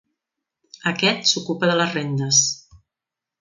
Aquest s'ocupa de les rendes.